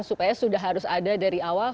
supaya sudah harus ada dari awal